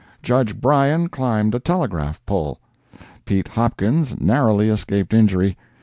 Judge Bryan climbed a telegraph pole. Pete Hopkins narrowly escaped injury.